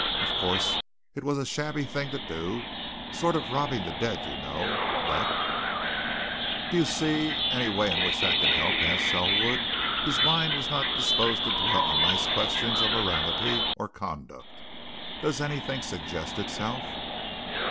"Of course, it was a shabby thing to do, sort of robbing the dead, you know, but " "Do you see any way in which that can help?" asked Selwood, whose mind was not disposed to dwell on nice questions of morality or conduct. "Does anything suggest itself?"